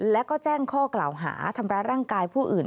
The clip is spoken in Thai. แล้วก็แจ้งข้อกล่าวหาทำร้ายร่างกายผู้อื่น